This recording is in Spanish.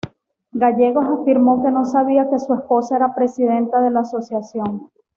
Gallegos afirmó que no sabía que su esposa era presidenta de la asociación.